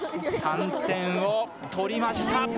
３点を取りました。